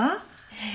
ええ。